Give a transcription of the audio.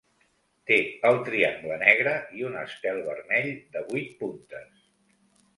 Té el triangle negre i un estel vermell de vuit puntes.